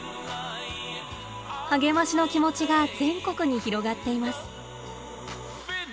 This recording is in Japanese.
励ましの気持ちが全国に広がっています。